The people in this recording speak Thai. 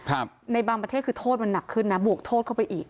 ในบางประเทศคือโทษมันหนักขึ้นนะบวกโทษเข้าไปอีก